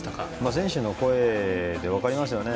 選手の声で分かりますよね。